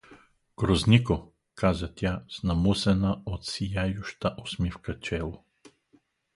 — Грозотнико! — каза тя с намусено от сияюща усмивка чело.